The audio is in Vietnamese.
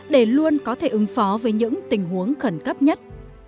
để luôn có thể ứng phó với những tình huống khẩn cấp nhất